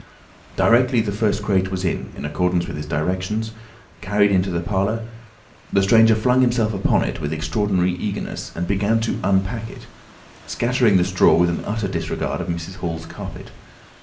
Directly the first crate was, in accordance with his directions, carried into the parlour, the stranger flung himself upon it with extraordinary eagerness, and began to unpack it, scattering the straw with an utter disregard of Mrs. Hall's carpet.